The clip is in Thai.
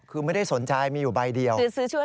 คือไม่ได้สนใจมีอยู่ใบเดียว